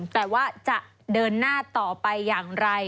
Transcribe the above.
แต่ว่าจะเดินหน้าต่อไปอย่างไร